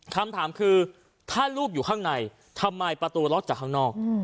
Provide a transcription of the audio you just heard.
คำถามคือถ้าลูกอยู่ข้างในทำไมประตูล็อกจากข้างนอก